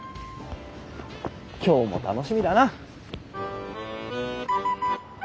今日も楽しみだな。